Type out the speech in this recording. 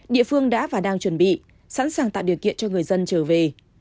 địa phương đã và đang chuẩn bị sẵn sàng tạo điều kiện cho người dân trở về